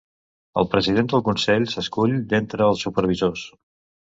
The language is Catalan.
El president del consell s'escull d'entre els supervisors.